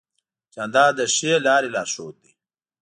جانداد د ښې لارې لارښود دی.